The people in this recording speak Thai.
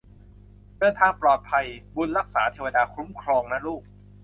เดินทางปลอดภัย บุญรักษาเทวดาคุ้มครองนะลูก